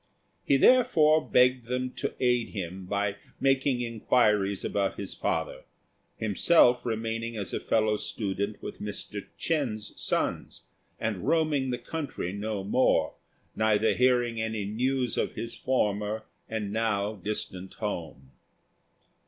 He therefore begged them to aid him by making inquiries about his father, himself remaining as a fellow student with Mr. Ch'ên's sons, and roaming the country no more, neither hearing any news of his former and now distant home.